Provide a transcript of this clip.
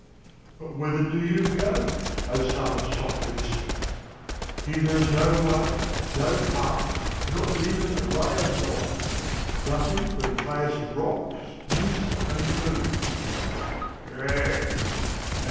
"But whither do you go, O son of Sophroniscus? Here there is no way, no path, not even a ray of light; nothing but a chaos of rocks, mist, and gloom." "True.